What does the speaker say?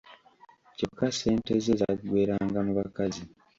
Kyokka ssente ze zaggweranga mu bakazi.